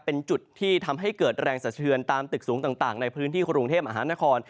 เป็นจุดที่ทำให้เกิดแรงสะเทือนตามตึกสูงต่างในพื้นที่กรุงเทพมหานคร